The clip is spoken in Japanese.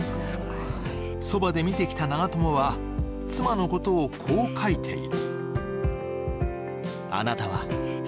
そばで見てきた長友は妻のことをこう書いている。